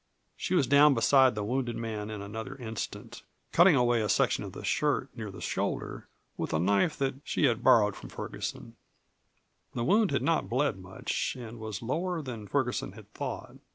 She was down beside the wounded man in another instant, cutting away a section of the shirt near the shoulder, with a knife that she had borrowed from Ferguson. The wound had not bled much and was lower than Ferguson had thought.